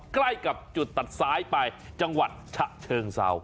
ใกล้กับจุดตัดซ้ายไปจังหวัดฉะเชิงเศร้า